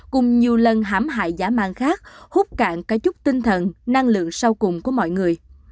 cùng nhiều lần hãm hại giả man khác hút cạn cả chút tinh thần năng lượng sau cùng của mọi người